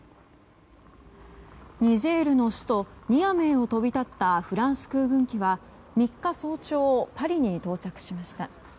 ニジェールの首都ニアメーを飛び立ったフランス空軍機は３日早朝パリに到着しました。